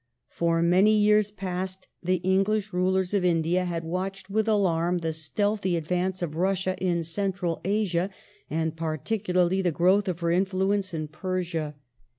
For many yeare past the English rulers of India had watched with alarm the stealthy advance of Russia in Central Asia, and particularly the growth of her influence in Persia.